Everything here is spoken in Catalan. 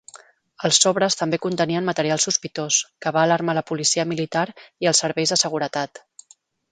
Els sobres també contenien material sospitós, que va alarmar la policia militar i els serveis de seguretat.